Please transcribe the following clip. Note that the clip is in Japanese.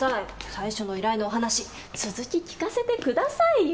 最初の依頼のお話続き聞かせてくださいよ。